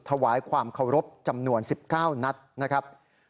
ถวายความเคารพจำนวน๑๙นัดนะครับ